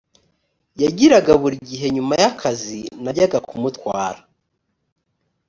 yagiraga buri gihe nyuma y akazi najyaga kumutwara